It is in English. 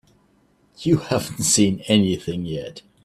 You haven't seen anything yet.